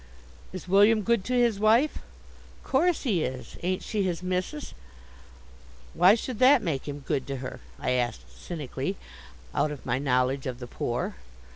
"Is William good to his wife?" "Course he is. Ain't she his missis?" "Why should that make him good to her?" I asked cynically, out of my knowledge of the poor.